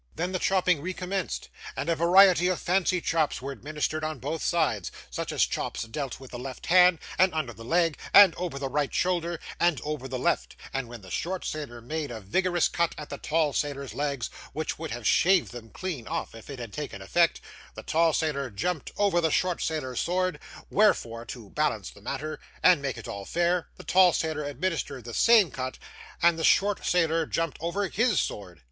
Then, the chopping recommenced, and a variety of fancy chops were administered on both sides; such as chops dealt with the left hand, and under the leg, and over the right shoulder, and over the left; and when the short sailor made a vigorous cut at the tall sailor's legs, which would have shaved them clean off if it had taken effect, the tall sailor jumped over the short sailor's sword, wherefore to balance the matter, and make it all fair, the tall sailor administered the same cut, and the short sailor jumped over HIS sword.